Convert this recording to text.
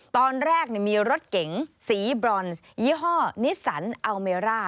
ตอนแรกมีรถเก๋งสีบรอนซ์ยี่ห้อนิสสันอัลเมร่า